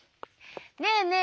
ねえねえ